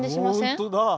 本当だ。